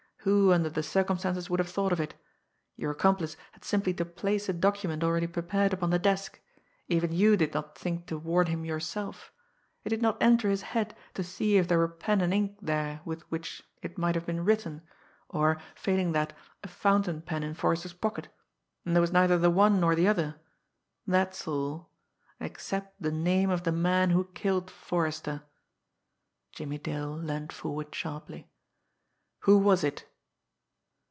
Who, under the circumstances, would have thought of it! Your accomplice had simply to place a document already prepared upon the desk. Even you did not think to warn him yourself. It did not enter his head to see if there were pen and ink there with which it might have been written, or, failing that, a fountain pen in Forrester's pocket and there was neither the one nor the other. That's all except the name of the man who killed Forrester." Jimmie Dale leaned forward sharply. "Who was it?"